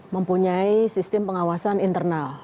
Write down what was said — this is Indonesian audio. mempunyai sistem pengawasan internal